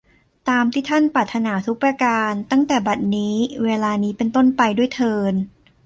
ตามที่ท่านปรารถนาทุกประการตั้งแต่บัดนี้ เวลานี้เป็นต้นไปด้วยเทอญ